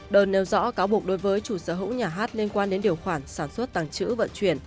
đơn nêu rõ cáo buộc đối với chủ sở hữu nhà hát liên quan đến điều khoản sản xuất tàng trữ vận chuyển